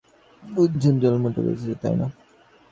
শুনেছই তো এলার্ম টা বেজেছে, তাই না?